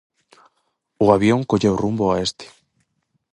O avión colleu rumbo ao oeste.